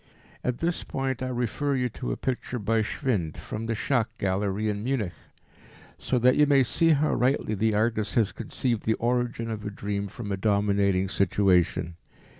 At this point I refer you to a picture by Schwind, from the Schack Gallery in Munich, so that you may see how rightly the artist has conceived the origin of a dream from a dominating situation.